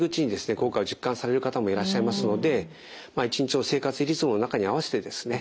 効果を実感される方もいらっしゃいますので一日の生活リズムの中に合わせてですね